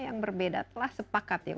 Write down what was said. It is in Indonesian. yang berbeda telah sepakat ya